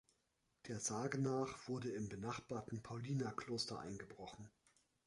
Der Sage nach wurde im benachbarten Paulinerkloster eingebrochen.